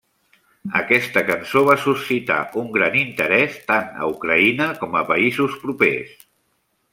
Aquesta cançó va suscitar un gran interès tant a Ucraïna com a països propers.